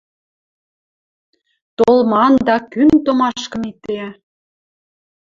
Толмы андак кӱн томашкы миде